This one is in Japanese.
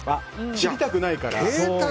見たくないから。